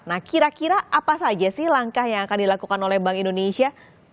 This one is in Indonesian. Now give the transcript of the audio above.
nah kira kira apa saja sih langkah yang akan dilakukan oleh bank indonesia